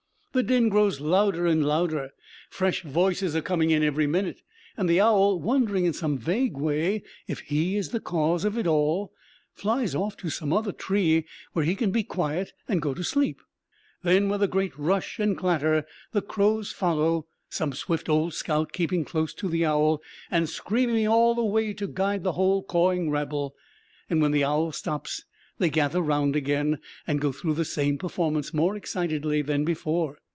The din grows louder and louder; fresh voices are coming in every minute; and the owl, wondering in some vague way if he is the cause of it all, flies off to some other tree where he can be quiet and go to sleep. Then, with a great rush and clatter, the crows follow, some swift old scout keeping close to the owl and screaming all the way to guide the whole cawing rabble. When the owl stops they gather round again and go through the same performance more excitedly than before.